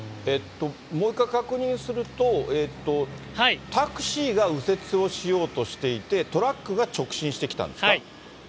もう一回確認すると、タクシーが右折をしようとしていて、トラックが直進してきたんですか？